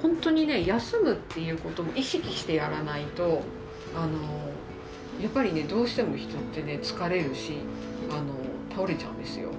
ほんとにね休むっていうこと意識してやらないとやっぱりねどうしても人ってね疲れるし倒れちゃうんですよ。